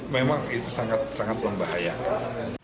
memang itu sangat membahayakan